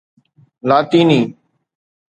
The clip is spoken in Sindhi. لاطيني